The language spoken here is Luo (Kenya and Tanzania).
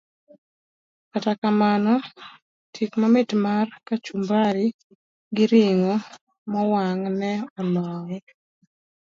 Kata kamano, tik mamit mar kachumbari gi ring'o mowang' ne oloye.